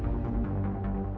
tiga kekuatan yang ada di sana